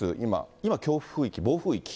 今、強風域、暴風域。